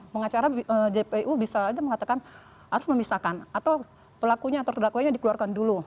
pengacara jpu bisa saja mengatakan harus memisahkan atau pelakunya atau terdakwanya dikeluarkan dulu